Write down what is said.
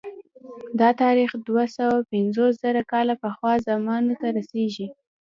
دا تاریخ دوه سوه پنځوس زره کاله پخوا زمانو ته رسېږي